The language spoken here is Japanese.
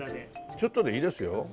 ちょっとでいいですよ。